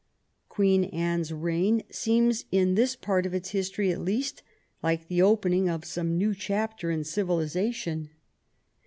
Queen Anne's reign seems, in this part of its history at least, like the opening of some new chapter in civiliza tion.